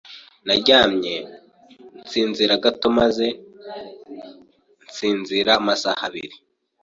Naryamye nsinzira gato maze nsinzira amasaha abiri.